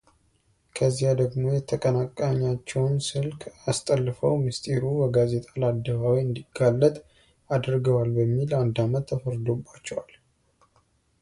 ከዚያ ደግሞ የተቀናቃኛቸውን ስልክ አስጠልፈው ምሥጢሩ በጋዜጣ ለአደባባይ እንዲጋለጥ አድርገዋል በሚል አንድ ዓመት ተፈርዶባቸዋል።